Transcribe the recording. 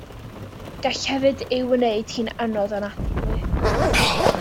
Gall hefyd ei gwneud hi'n anodd anadlu.